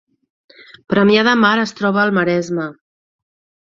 Premià de Mar es troba al Maresme